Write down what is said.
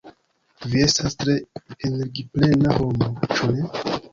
"Vi estas tre energiplena homo, ĉu ne?"